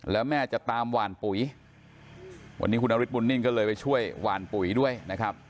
แล้วแม่จะตามหวานปุ๋ยวันนี้คุณนฤทธบุญนิ่มก็เลยไปช่วยหวานปุ๋ยด้วยนะครับ